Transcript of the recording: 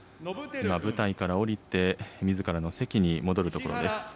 今、舞台から下りて、みずからの席に戻るところです。